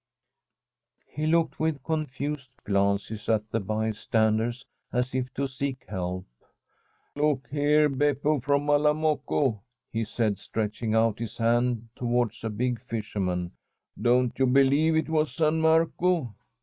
He looked with confused glances at the by standers, as if to seek help. * Look here, Beppo from Malamocca,' he said, stretching out his hand towards a big fisherman, * don't you believe it was San Marco